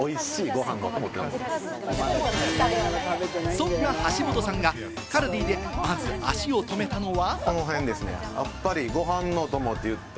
そんな橋本さんがカルディでまず足を止めたのは。